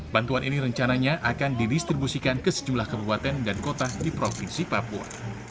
bantuan ini rencananya akan didistribusikan ke sejumlah kabupaten dan kota di provinsi papua